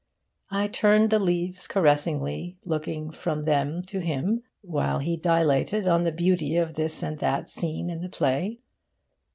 I turned the leaves caressingly, looking from them to him, while he dilated on the beauty of this and that scene in the play.